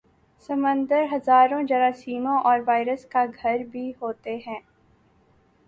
سمندر ہزاروں جراثیموں اور وائرس کا گھر بھی ہوتے ہیں